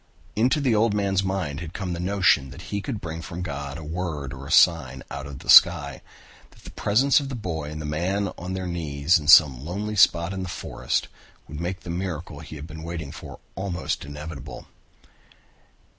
Into the old man's mind had come the notion that now he could bring from God a word or a sign out of the sky, that the presence of the boy and man on their knees in some lonely spot in the forest would make the miracle he had been waiting for almost inevitable.